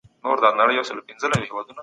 دا لاره له ابهام څخه پاکه ده.